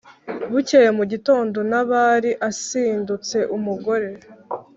Bukeye mu gitondo Nabali asindutse umugore